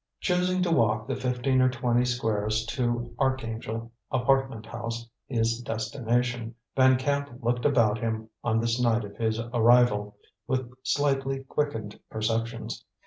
Choosing to walk the fifteen or twenty squares to the Archangel apartment house, his destination, Van Camp looked about him, on this night of his arrival, with slightly quickened perceptions.